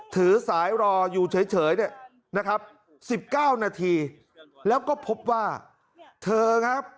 ถือสายรออยู่เฉยเนี่ยนะครับ๑๙นาทีแล้วก็พบว่าเธอครับ